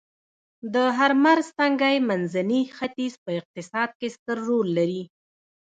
د هرمرز تنګی منځني ختیځ په اقتصاد کې ستر رول لري